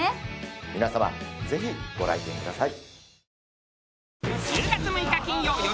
皆様ぜひご来店ください。